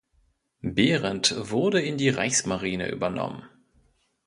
Berendt wurde in die Reichsmarine übernommen.